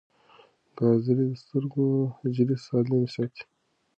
ګازرې د سترګو حجرې سالمې ساتي.